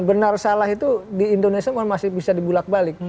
benar salah itu di indonesia masih bisa dibulak balik